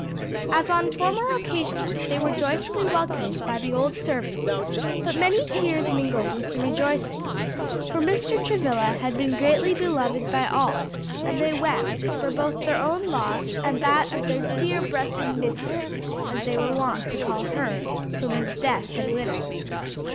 As on former occasions, they were joyfully welcomed by the old servants; but many tears mingled with the rejoicings, for Mr. Travilla had been greatly beloved by all, and they wept for both their own loss and that of their "dear bressed Missus," as they were wont to call her whom his death had widowed.